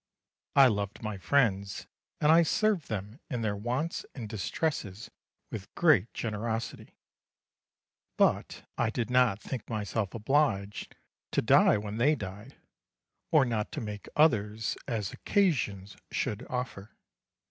I loved my friends, and I served them in their wants and distresses with great generosity; but I did not think myself obliged to die when they died, or not to make others as occasions should offer.